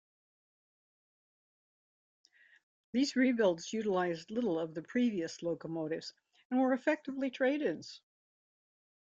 These rebuilds utilised little of the previous locomotives and were effectively trade-ins.